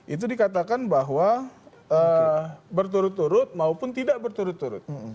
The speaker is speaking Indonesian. itu dikatakan bahwa berturut turut maupun tidak berturut turut